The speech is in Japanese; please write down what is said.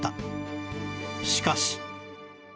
しかし